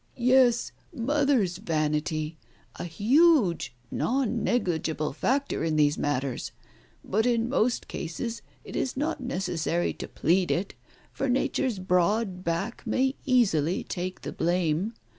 "Yes, Mother's vanity, a huge non negligible factor in these matters. But in most cases it is not necessary to plead it, for nature's broad back may easily take the blame.